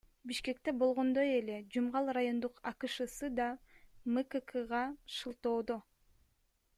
Бишкекте болгондой эле Жумгал райондук АШКсы да МККга шылтоодо.